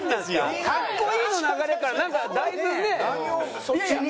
「かっこいい」の流れからなんかだいぶねえ？